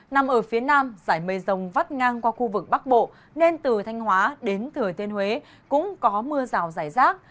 nằm ở phía nam giải mây rồng vắt ngang qua khu vực bắc bộ nên từ thanh hóa đến thừa thiên huế cũng có mưa rào rải rác